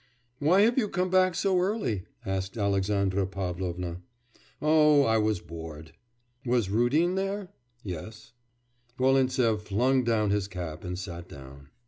'Why have you come back so early?' asked Alexandra Pavlovna. 'Oh! I was bored.' 'Was Rudin there?' 'Yes.' Volintsev flung down his cap and sat down.